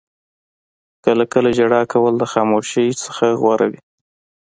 • کله کله ژړا کول د خاموشۍ نه غوره وي.